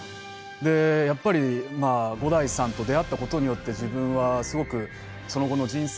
やっぱり五代さんと出会ったことによって自分はすごくその後の人生